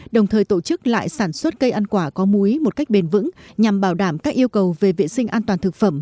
đồng thời tổ chức lại sản xuất cây ăn quả có múi một cách bền vững nhằm bảo đảm các yêu cầu về vệ sinh an toàn thực phẩm